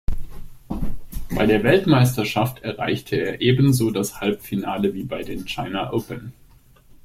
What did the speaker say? Bei der Weltmeisterschaft erreichte er ebenso das Halbfinale wie bei den China Open.